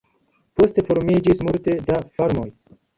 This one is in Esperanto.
Poste formiĝis multe da farmoj.